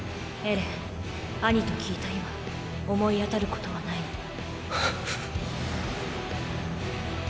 エレンアニと聞いた今思い当たることはないの？